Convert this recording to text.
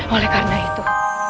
oleh karena itu